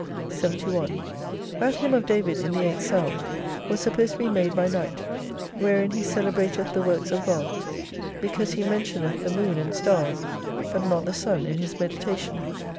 71 That hymn of David in the eighth Psalm was supposed to be made by night, wherein he celebrateth the Works of God ; because he mentioneth the moon and stars, but not the sun in his meditation.